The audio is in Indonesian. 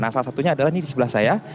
nah salah satunya adalah ini di sebelah saya